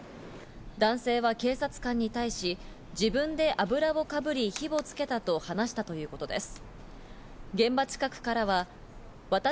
男性は警察官に対し、自分で油をかぶり火をつけたと話したということです。